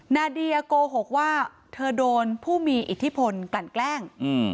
นาเดียโกหกว่าเธอโดนผู้มีอิทธิพลกลั่นแกล้ง